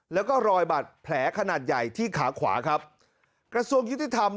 แล้วก็รอยบาดแผลขนาดใหญ่ที่ขาขวาครับกระทรวงยุติธรรม